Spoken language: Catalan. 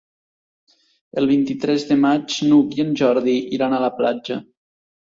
El vint-i-tres de maig n'Hug i en Jordi iran a la platja.